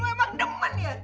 lo emang demen ya